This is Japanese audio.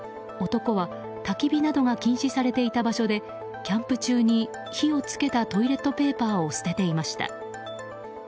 男は、たき火などが禁止されていた場所でキャンプ中に火を付けたトイレットペーパーを捨てていました。